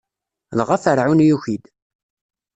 Dɣa Ferɛun yuki-d.